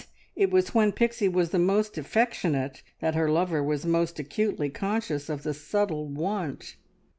it was when Pixie was the most affectionate that her lover was most acutely conscious of the subtle want.